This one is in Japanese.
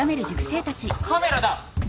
カメラだ！